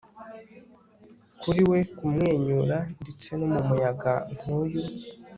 kuriwe kumwenyura, ndetse no mumuyaga nkuyu